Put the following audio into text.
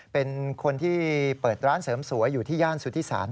เป็นคนที่เปิดร้านเสริมสวยอยู่ที่ย่านสุธิศาล